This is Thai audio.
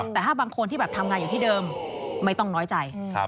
แต่ถ้าบางคนที่แบบทำงานอยู่ที่เดิมไม่ต้องน้อยใจ